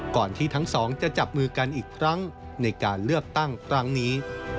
ที่ทั้งสองจะจับมือกันอีกครั้งในการเลือกตั้งครั้งนี้